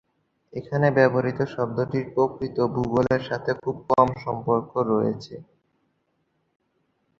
এখানে ব্যবহৃত শব্দটির প্রকৃত ভূগোলের সাথে খুব কম সম্পর্ক রয়েছে।